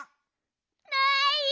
ないよ！